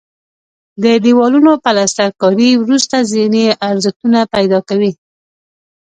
د دیوالونو پلستر کاري وروسته ځینې ارزښتونه پیدا کوي.